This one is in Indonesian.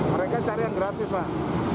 mereka cari yang gratis pak